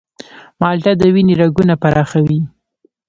مالټه د وینې رګونه پراخوي.